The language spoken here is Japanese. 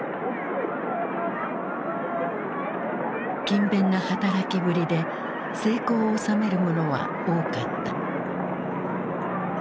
勤勉な働きぶりで成功を収める者は多かった。